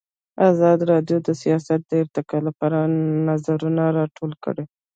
ازادي راډیو د سیاست د ارتقا لپاره نظرونه راټول کړي.